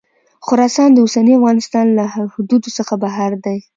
خراسان د اوسني افغانستان له حدودو څخه بهر دی.